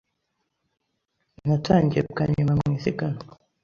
Natangiye bwa nyuma mu isiganwa.